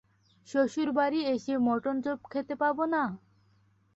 শ্বশুরবাড়ি এসে mutton chop খেতে পাব না?